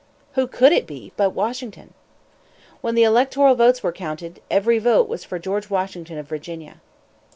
Who could it be but Washington? When the electoral votes were counted, every vote was for George Washington of Virginia.